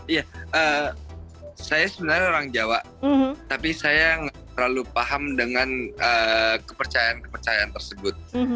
iya saya sebenarnya orang jawa tapi saya nggak terlalu paham dengan kepercayaan kepercayaan tersebut